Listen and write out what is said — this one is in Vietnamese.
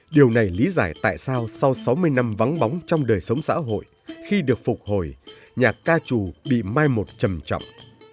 điều này lý giải tại sao sau sáu mươi năm vắng bóng trong đời sống xã hội khi được phục hồi nhạc ca trù bị mai một trầm trọng